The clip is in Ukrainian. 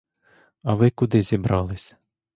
А ви куди зібрались?